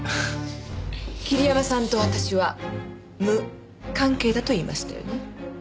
桐山さんと私は無関係だと言いましたよね？